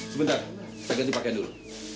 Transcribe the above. sebentar saya ganti pakaian dulu